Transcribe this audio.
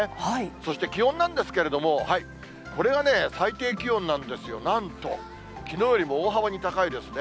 そして気温なんですけれども、これが最低気温なんですよ、なんと、きのうよりも大幅に高いですね。